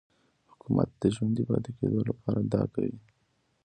حکومت د ژوندي پاتې کېدو لپاره دا کوي.